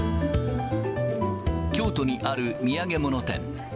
京都にある土産物店。